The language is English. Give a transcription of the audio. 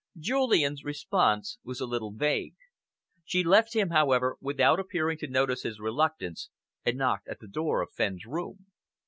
Julian's response was a little vague. She left him, however, without appearing to notice his reluctance and knocked at the door of Fenn's room.